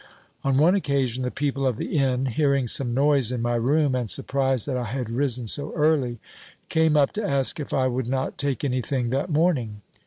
On one occasion the people of the inn, hearing some noise in my room and surprised that I had risen so early, came up to ask if I would not take anything that morning.